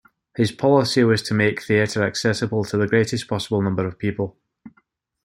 His policy was to make theatre accessible to the greatest possible number of people.